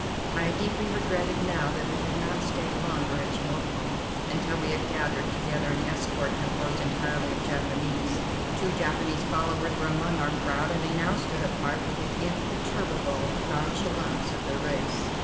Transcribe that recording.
I deeply regretted now that we had not stayed longer at Chemulpo until we had gathered together an escort composed entirely of Japanese. Two Japanese followers were among our crowd, and they now stood apart with the imperturbable nonchalance of their race.